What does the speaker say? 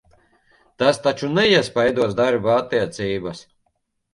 Tas taču neiespaidos darba attiecības?